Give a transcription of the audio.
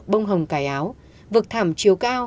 bông hồng cải áo vực thảm chiều cao